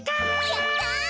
やった！